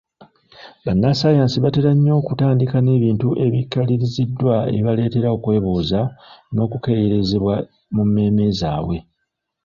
Bannassaayansi batera nnyo okutandika n’ebintu ebyekaliriziddwa ebibaleetera okwebuuza n’okukeeyerezebwa mu mmeeme zaabwe.